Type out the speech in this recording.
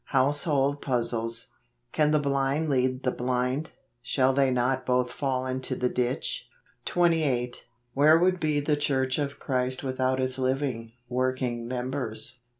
Household Puzzles. " Can the blind lead the blind? shall they not both fall into the ditch ?" 28. Where would be the church of Christ without its living, working members